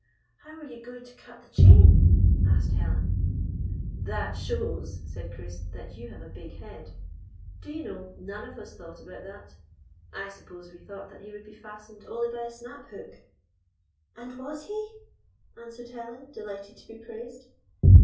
"How were you going to cut the chain?" asked Helen. " That shows," said Chris, " that you have a big head. Do you know, none of us thought 219 GYPSY, THE TALKING DOG about tliat ? I suppose we thought that he would be fastened only by a snap hook." "And was he?" asked Helen, delighted to be praised.